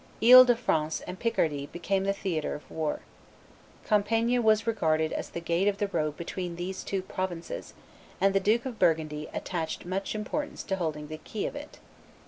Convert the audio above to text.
Ile de France and Picardy became the theatre of war. Compiegne was regarded as the gate of the road between these two provinces; and the Duke of Burgundy attached much importance to holding the key of it.